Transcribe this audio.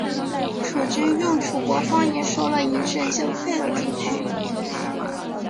楚军用楚国方言说了一阵就退了出去。